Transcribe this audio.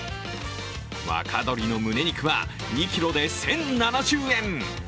若鶏のむね肉は２ｋｇで１０７０円。